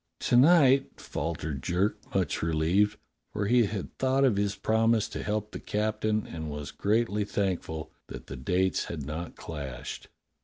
"To night?" faltered Jerk much relieved, for he had thought of his promise to help the captain, and was greatly thankful that the dates had not clashed.